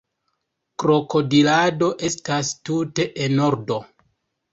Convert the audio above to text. Krokodilado estas tute enordo